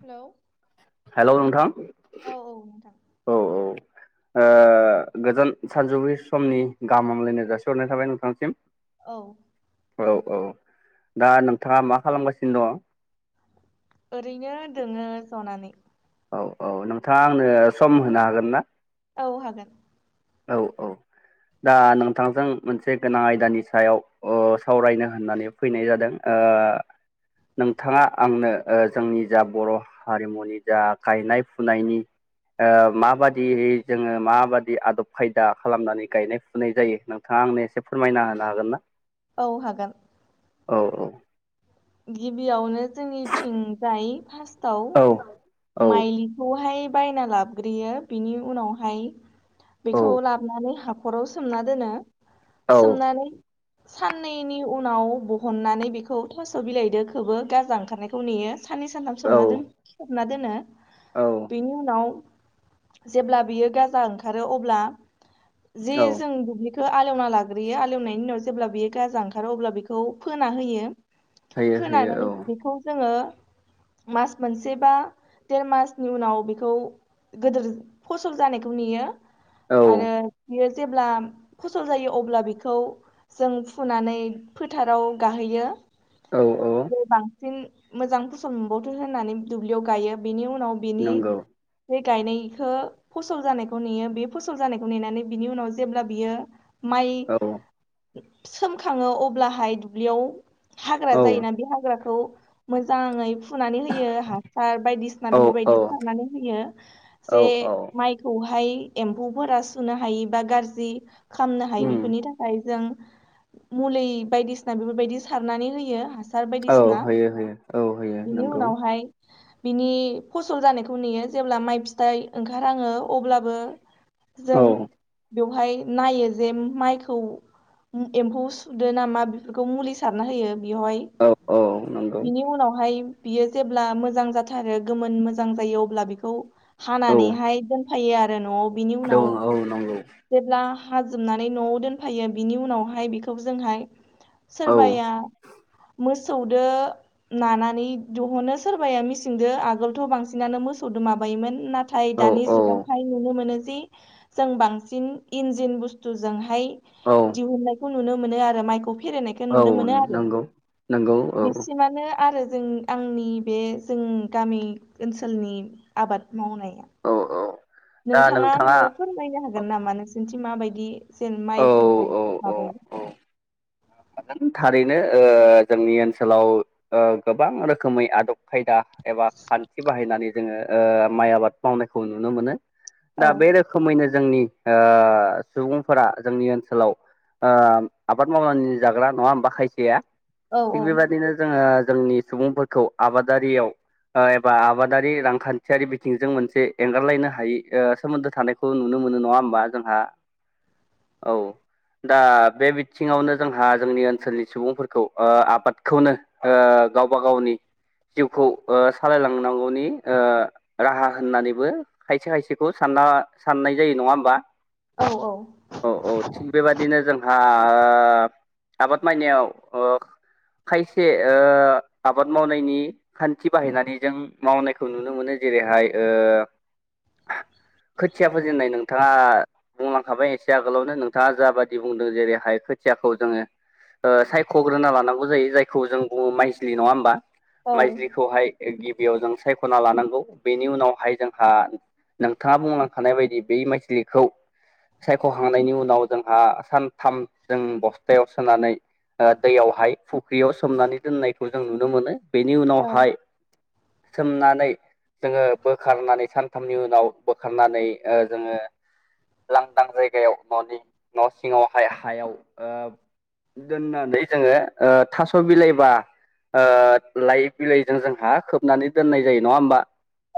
Hello hello नोंथां औ औ नोंथां। औ औ ओ ओ गोजान सानजौफु समनि गाहाम हामलायनाय जासिहरनाय थाबाय नोंथांसिम। औ। औ औ दा नोंथाङा मा खालामगासिनो दङ'। ओरैनो दोङो ज'नानै। औ औ नोंथाङा आंनो सम होनो हागोन ना। औ हागोन। औ औ। दा नोंथांजों मोनसे गोनां आयदानि सायाव अ सावरायनो होननानै फैनाय जादों ओ ओ नोंथाङा आंनो ओ जोंनि जा बर' हारिमुनि जा गायनाय फुनायनि ओ माबादिहै जोङो माबादि आदब खायदा खालामनानै गायनाय फुनाय जायो नोंथाङा आंनो एसे फोरमायना होनो हागोन ना? औ हागोन। औ औ। गिबियावनो जोंनिथिंजाय फास्ट टाव औ औ माइलिखौहाय बायना लाबग्रोयो बिनि उनावहाय औ बेखौ लाबनानै हाखराव सोमना दोनो औ सोमनानै साननैनि उनाव बहननानै बेखौ थास' बिलायदो खोबो गाजा ओंखारनायखौ नेयो सान्नै सानथाम सोमना दोन सोमना दोनो। औ बेनि उनाव जेब्ला बियो गाजा ओंखारो अब्ला जे औ जों दुब्लि खो आलेवना लाग्रोयो आलेवनायनि उनाव जेब्ला बियो गाजा ओंखारो अब्ला बेखौ फोना होयो। होयो फोनानै होयो बेखौ जोङो मास मोनसेबा देर मासनि उनाव बेखौ गदिर फसल जानायखौ नेयो। औ आरो [unintelligible] जेब्ला फसल जायो अब्ला बेखौ जों फुनानै फोथाराव गाहोयो। औ औ। उम मोजां फसल मोनबावथो होननानै दुब्लियाव गायो बेनि उनाव बेनि नंगौ गायनायखो फसल जानायखौ नेयो बे फसल जानायखौ नेनानै बिनि उनाव जेब्ला बियो माइ औ सोमखाङो अब्लाहाय दुब्लियाव हाग्रा औ जायोना बे हाग्राखौ मोजाङै फुनानै होयो हासार बायदिसिना औ बेफोरबायदि सारनानै होयो औ जे औ माइखौ हा हाय एम्फौफोरा सुनो हायि बा गाज्रि खामनो हायि उम बेफोरनि थाखाय जों मुलि बायदिसिना बेफोरबायदि सारनानै होयो हा सार औ बायदिसिना होयो होयो औ होयो बिनि नंगौ उनावहाय बिनि फसल जानायखौ नेयो जेब्ला माइ फिथाइ ओंखार हाङो अब्लाबो औ जों बेवहाय नायो जे माइखौ उम एम्फौ सुदो नामा बेफोरखौ मुलि सारना होयो बेवहाय औ औ नंगौ बिनि उनावहाय बियो जेब्ला मोजां जाथारो गोमोन मोजां जायो अब्ला बिखौ औ हानानैहाय दोन फायो आरो न'आव बिनि दङ उनाव औ नंगौ जेब्ला हाजोबनानै न'आव दोनफायो बिनि उनावहाय बेखौ जोंहाय औ सोरबाया मोस सौदो नानानै दहनो सोरबाया मिसिंदो आगोलथ' बांसिनानो मोसौदो माबा नायोमोन नाथ थाय औ दानि औ जुगावहाय नुनो मोनो जि जों बांसिन इन्जिन बुस्थुजोंहाय औ दिहुननायखौ नुनो मोनो आरो माइखौ फेरेद खो औ नुनो मोनो आरो नंगौ नंगौ औ बिसिमानो आरो जों आंनि बे जों गामि ओनसोलनि आबाद मावनाय औ औ। नोंथाङा आंनो फोरमायनो हागोन नामा नोंसोरनिथिं माबायदि जेन औ माइफोरखौ माबायो? हागोन थारैनो ओ जोंनि ओनसोलाव ओ गोबां रोखोमै आदब खायदा एबा खान्थि बाहायनानै जोङो ओ माइ आबाद मावनायखौ नुनो मोनो। औ दा बे रोखोमैनो जोंनि ओ सुबुंफोरा जोंनि ओनसोलाव ओ आबाद मावनानै जाग्रा नङा होमबा खायसेया औ थिग बेबायदिनो जोङो जोंनि सुबुंफोरखौ आबादारियाव एबा आबादारि रांखान्थियारि बिथिंजों मोनसे एंगारलायनो हायै सोमोन्दो थानायखौ नुनो मोन। नडां होनबा जोंहा औ दा बेबिथिंडावनो जोंहा जोंहा जोंनि ओनसोलनि सुबुंफोरखौ आबादखौनो गावबा गावनि जिउखौ सालायलांनांगौनि राहा होननानैबो खायसे खायसेखौ सान साननाय जायो नङा होमबा औ औ औ थिग बेबादिनो जोंहा आबाद मावनायाव खायसे आबाद मावनायनि खान्थि बाहायनानै जों मावनायखौ नुनो मोनो जों जेरैहाय खोथिया फोजेननाय नोंथां नोंथाङा बुंलांखाबाय एसे आगोलावनो नोंथाङा जाबादि बुंदों जेरैहाय खोथियाखौ जोङो सायख'ग्रोना लानांगौ जायो जायखौ जों बुङो माइजलि नङा होमबा औ माइजलिखौहाय गिबियाव जों सायख'ना लानांगौ बेनि उनावहाय जोंहा नोंथाङा बुंलांखानाय बायदि बै माइजलिखौ सायख'खांनायनि उनाव जोंहा सानथाम जों बस्थ' सुथायाव सोनानै दैयावहाय फुख्रियाव सोमनानै दोननायखौ जों नुनो मोनो बेनि औ उनावहाय सोमनानै जोङो बोखारनानै सानथामनि उनाव बोखारनानै ओ जोङो लांदां जायगायाव न'नि न' सिङावहाय हायाव ओ दोननानै जोङो ओ थास' बिलाइबा ओ लाइ बिलाइजों जोंहा खोबनानै दोननाय जायो नङा होमबा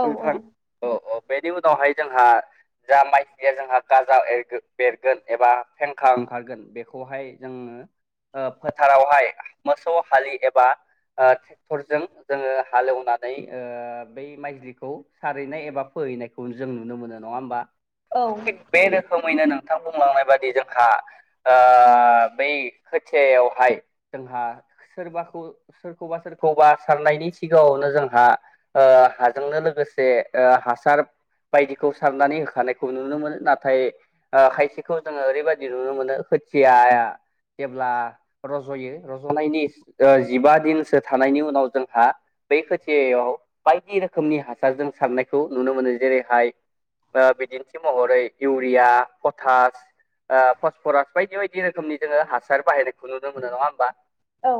नोंथां औ औ बेनि उनावहाय जोंहा जा माइलिया जोंहा गाजार एरगो बेरगोन एबा फेंखा ओंखारगोन बेखौहाय जोङो फोथारावहाय मोसौ हालि एबा ट्रेक्टरजों जोङो हालेवनानै ओ बै माइजलिखौ सारहैनाय एबा फो फोहैनायखौ जों नुनो मोनो नङा होमबा औ थिग बे रोखोमैनो नोंथां बुंलांनाय बादि जोंहा ओ बै खोथियायावहाय जोंहा सोरबाखौ सोरखौबा सोरखौबा सारनायनि सिगाङावनो जोंहा ओ हाजोंनो लोगोसे ओ हासार बायदिखौ सारनानै होखानायखौ नुनो मोनो नाथाय खायसेखौ जोङो ओरैबायदि नुनो मोनो खोथियाया जेब्ला रज'यो रज'नायनि जिबा दिनसो थानायनि उनाव जोंहा बे खोथिययाव बायदि रोखोमनि हासारजों सारनायखौ नुनो मोनो जेरैहाय बिदिन्थि महरै इउरिया, पटास ओ फसफरास बायदि बायदि रोखोमनि जोङो हासार बाहायनायखौ नुनो मोनो नङा होमबा औ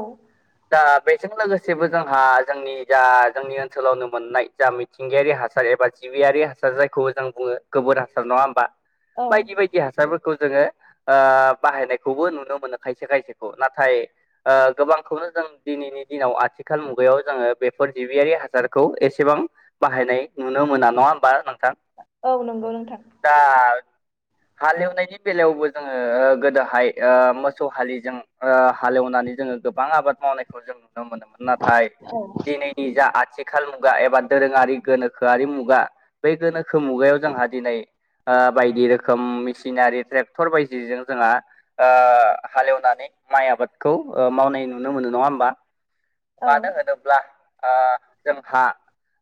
ओ बेजों लोगोसेबो जोंहा जोंनि जा जोंनि ओनसोलावनो मोननाय जा मिथिंगायारि हासार एबा जिबियारि हासार जायखौ जों बुङो गोबोर हासार नङा होमबा औ बायदि बायदि हासारफोरखौ जोङो ओ बाहायनाय खौबो नुनो मोनो खायसे खायसेखौ नाथाय ओ गोबांखौनो जों दिनैनि दिनाव आथिखाल मुगा बेयाव जोङो बेफोर जिबियारि हासारखौ एसेबां बाहायनाय नुनो मोना नङा होमबा नोंथां औ नंगौ नोंथां दा हालेवनायनि बेलायावबो जोङो गोदोहाय ओ मोसौ हालिजों ओ हालेवनानै जोङो गोबां आबाद मावनायखौ जों नुनो मोनोमोन नाथाय औ दिनैनि जा आथिखाल मुगा एबा दोरोङारि गोनोख गखोआरि मुगा बेै गोनोखो मुगायाव जोंहा दिनै ओ बायदि रोखोम मेसिनारि ट्रेक्टर बायदिजों जोंहा ओ हालेवनानै माइ आबादखौ मावनाय नुनो मोनो नङा होमबा औ मानो होनोब्ला ओ जोंहा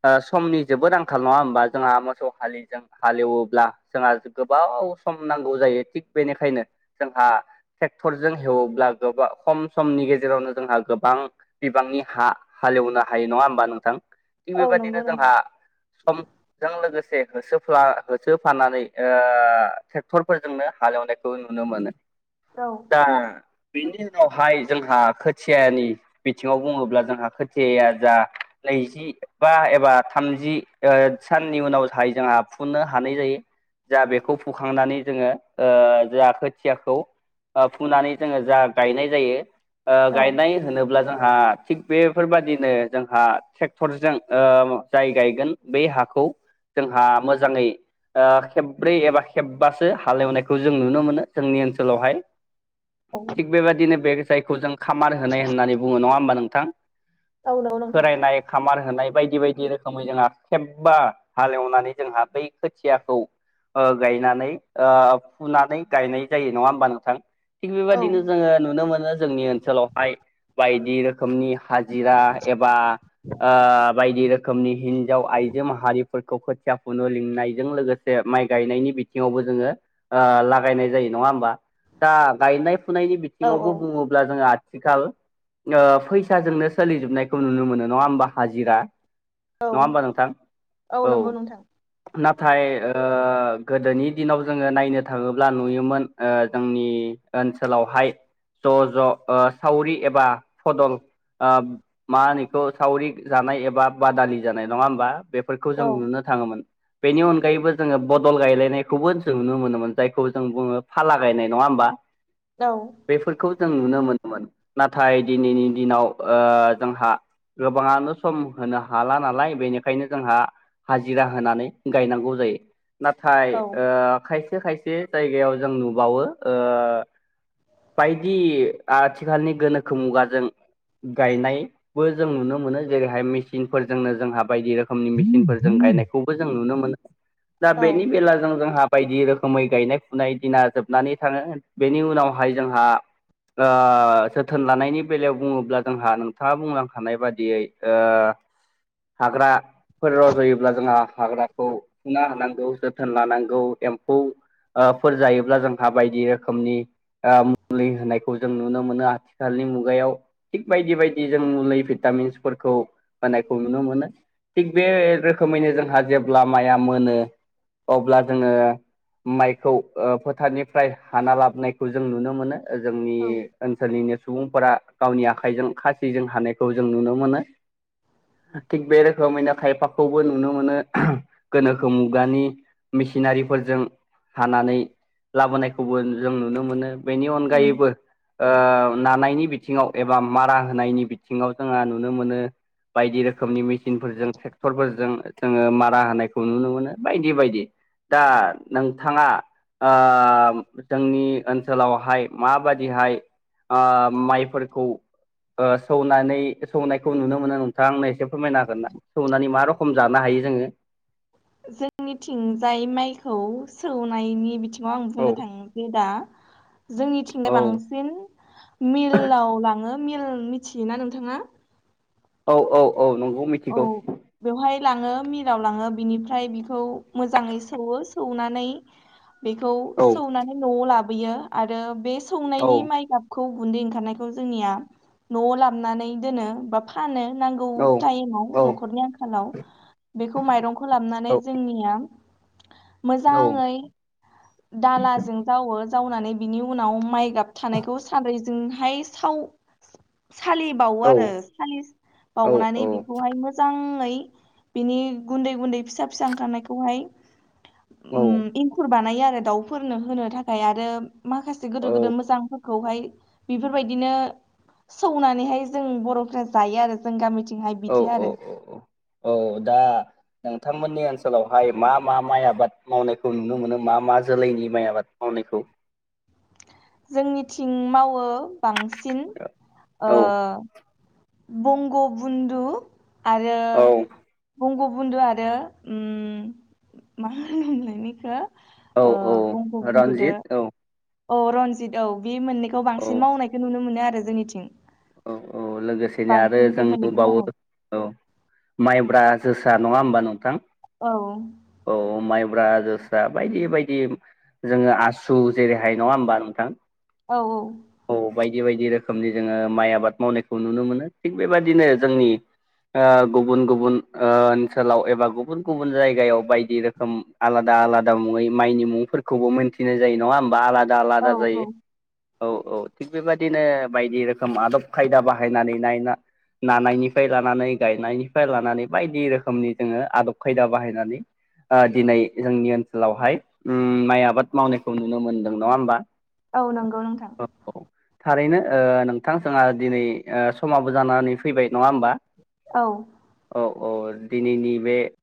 ओ समनि जेबोद आंखाल नङा होमबा जोंहा मोसौ हालिजों हालेवोब्ला जोंहा गोबाव सम नांगौ जायो थिग बेनिखायनो जोंहा ट्रेक्टरजों हेवोब्ला गोबां खम समनि गेजेरावनो जोंहा गोबां बिबांनि हा हालेवनो हायो नङा होमबा नोंथां थिग औ बेबायदिनो नंगौ जोंहा नोंथां समजों लोगोस से होसोफ्ला होसोफानानै ओ ट्रेक्टरफोरजोंनो हालेवनायखौ नुनो मोनो औ दा बिनि उनावहाय जोंहा खोथियानि बिथिङाव बुङोब्ला जोंहा खोथियाया जा नैजि बा एबा थामजि ओ साननि उनाव जाहाय जोंहा फुनो हानाय जायो जा बेखौ फुखांनानै जोङो ओ जा खोथियाखौ ओ फुनानै जोङो जा गायनाय जायो ओ औ गायनाय होनोब्ला जोंहा थिग बेफोरबादिनो जोंहा ट्रेक्टरजों ओ जाय गायगोन बे हा खौ जोंहा मोजाङै ओ खेब्रै एबा खेबबासो हालेवनायखौ जों नुनो मोनो जोंनि ओन ओनसोलावहाय थिग बेबायदिनो बे जायखौ जों खामार होनाय होननानै बुङो नङा होमबा नों थां औ नंगौ नोंथां खोरायनाय खामार होनाय बायदि बायदि रोखोमै जोंहा खेबबा हालेवनानै जोंहा बै खोथियाखौ ओ गायनानै ओ फुनानै गायनाय जायो नङा होम बा नोंथां थिग औ बेबायदिनो जोङो नुनो मोनो जोंनि ओनसोलावहाय बायदि रोखोमनि हाजिरा एबा ओ बायदि रोखोमनि हिनजाव आइजो माहारि फोरखौ खोथिया फुनो लिंनायजों लोगोसे माइ गायनायनि बिथिङावबो जोङो ओ लागायनाय जायो नङा होमबा दा गायनाय फुनायनि औ बिथिङावबो बुङोब्ला जोङो आ आथिखाल ओ फैसाजोंनो सोलिजोबनायखौ नुनो मोनो नङा होमबा हाजिरा औ नङा होमबा नोंथां औ नंगौ नोंथां नाथाय ओ गोदोनि दिनाव जोङो नायनो थाङोब्ला नुयोमोन ओ जोंनि ओनसोलावहाय ज' ज' ओ सावरि एबा फदल ओ मा होनोखौ सावरि जानाय एबा बादालि जानाय नङा होमबा बेफोरखौ जों औ नुनो थाङोमोन बेनि अनगायैबो जोङो बदल गायलायनायखौबो जों नुनो मोनोमोन जायखौ जों बुङो फाला गायनाय नङा होमबा औ बेफोरखौ जों नुनो मोनोमोन नाथाय दिनैनि दिनाव ओ जोंहा गोबाङानो सम होनो हाला नालाय बेनिखायनो जोंहा हाजिरा होनानै गायनांगौ जाय जयो नाथाय ओ खायसे खायसे जायगायाव जों नु बावो ओ बायदि आथिखालनि गोनोखो मुगाजों गायनायबो जों नुनो मोनो जेरैहाय मेसिनफोरजोंनो जोंहा बायदि रोख रोखोम नि मेसिनफोरजों गायनायखौबो जों नुनो मोनो दा औ बेनि बेलाजों जोंहा बायदि रोखोमै गायनाय फुनाय दिना जोबनानै थाङो बेनि उनावहाय जोंहा ओ जोथोन लानायनि बेलायाव बुङोब्ला जोंहा नोंथाङा बुंलांखानाय बादियै ओ हाग्राफोरा रजयोब्ला जोंहा हाग्राखौ फुना हानांगौ जोथोन लानांगौ एम्फौ ओ फोर जायोब्ला जोंहा बायदि रोखोमनि ओ मुलि होनायखौ जों नुनो मोनो आथिखालनि मुगायाव थिग बायदि बायदि जों मुलि फिथा भितामिन फोरखौ होनायखौ नुनो मोनो थिग बे रोखोमैनो जोंहा जेब्ला माइाया मोनो अब्ला जोङो माइखौ ओ फोथारनि फ्राय हाना लाबोनायखौ जों नुनो मोनो जोंनि ओनसोलनिनो सुबुंफोरा गावनि आखाइजों खासिजों हानायखौ जों नुनो मोनो थिग बे रोखोमैनो खायफाखौबो नुनो मोनो गोनोखो मुगानि मेसिनारिफोरजों हानानै लाबोनायखौबो जों नुनो मोनो बेनि उम अनगायैबो ओ नानायनि बिथिङाव एबा मारा होनायनि बिथिङाव जोंहा नुनो मोनो बायदि रोखोमनि मेसिनफोरजों ट्रेक्टरफोरजों जोङो मारा होनायखौ नुनो मोनो बायदि बायदि दा नोंथाङा ओ ओ जोंनि ओनसोलावहाय माबादिहाय ओ माइफोरखौ सौनानै सौनायखौ नुनो मोनो नोंथाङा आंनो एसे फोरमायना हागोन ना सौनानै मा रखम जानो हायो। जोङो। जोंनिथिंजाय माइखौ सौनायनि बिथिं आ न आं औ बुंनो थाङसै दा जोंनिथिंदाय औ बांसिन मिलाव लाङो मेल मिथियोना नोंथाङा औ औ औ नंगौ औ मिथिगौ। बेवहाय लाङो मिलाव लाङो बिनिफ्राय बेखौ मोजाङै सौवो सौनानै बेखौ औ सौनानै न'आव लाबोयो आरो बे औ सौनायनि माइ गाबखौ खौ गुन्दै ओंखारनायखौ जोंनिया न'आव लाबोननानै दोनो बा फानो नांगौ। औ टाइमाव औ न'खरनि आंखालाव बेखौ माइरंखौ लाबनानै औ जोंनिया औ मोजाङै दालाजों जावो जावनानै बिनि उनाव माइ गाब थानायखौ सानद्रिरैजोंहाय साव सालिबावो औ आरो औ सालिबावनानै बेखौहाय मोजां बिनि गुन्दै गुन्दै फिसा फिसा ओंखारनायखौहाय इंखुर बानायो आरो दाउफोरनो होनो थाखाय आरो माखासे गोदो गोदो मोजांफोरखौहाय बेफोरबायदिनो सौनानैहाय जों बर'फ जायो आरो जों गामिथिंहाय औ बिदि औ आरो औ औ दा नोंथांमोननिसार ओनसोलावहाय मा मा माइ आबाद मावनायखौ नुनो मोनो मा मा जोलैनि माइ आबाद मावनायखौ जोंनिथिं मावो बांसिन औ बंग बन्धु आरो औ बंग बुन्दु आरो मा लोंलायनायखौ औ औ बुंखौ बुंजदो रन्जित औ औ रनजित औ बे मोननैखौ औ बांसिन मावनायखौ नुनो मोनो आरो जोंनिथिं औ औ लोगोसेनो आरो बांसिन बे जों मोननैखौ नुबावो मावो औ माइब्रा जोसा। नङा हबा नोंथां औ औ माइ ब्रा जोस्रा बायदि बायदि जोङो आसु जेरैहाय नङा होमबा नोंथां। औ औ। औ बायदि बायदि रोखोमनि जोङो माइ आबाद मावनायखौ नुनो मोनो थिग बेबायाददिनो जोंनि गुबुन गुबुन ओनसोलाव एबा गुबुन गुबुन जायगायाव बायदि रोखोम आलादा आलादा मुङै माइनि मुंफोरखौबो मोनथिनाय जायो नङा होमबा आलादा आलादा‌ औ आलादा जायो औ औ औ थिक बेबायदिनो बायदि रोखोम रोखोम आदब खायदा बाहायनानै नायना नानायनिफ्राय लानानै गायनायनिफ्राय लानानै बायदि रोखोमनि जोङो आदब खायदा बाहायनानै दिनै जोंनि ओनसोलावहाय माइ आबाद मावनायखौ नुनो मोनदों नङा होमबा औ नंगौ नोंथां औ औ थारैनो नोंथांजोंहा दिनै समाबो जानानै फैबाय नङा होमबा औ औ औ दिनैनि बे